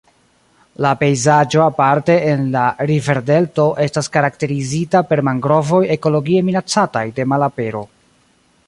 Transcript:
La pejzaĝo aparte en la riverdelto estas karakterizita per mangrovoj ekologie minacataj de malapero.